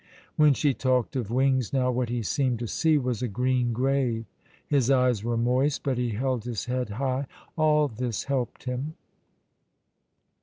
When she talked of wings now, what he seemed to see was a green grave. His eyes were moist, but he held his head high. All this helped him.